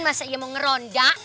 masa iya mau ngerondak